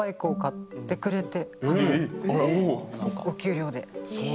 お給料で。